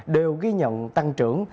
đều ghi nhận tăng trưởng